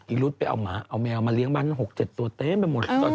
อรุดไปเอาหมาเอาแมวมาเลี้ยมัน๖๗ตัวเต็มไปหมด